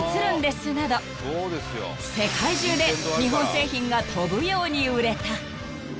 ［世界中で日本製品が飛ぶように売れた］